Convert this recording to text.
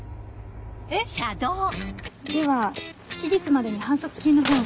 えっ⁉では期日までに反則金のほうを。